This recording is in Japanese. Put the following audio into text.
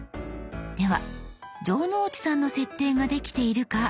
では城之内さんの設定ができているか確認してみましょう。